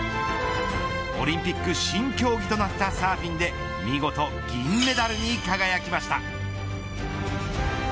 オリンピック新競技となったサーフィンで見事、銀メダルに輝きました。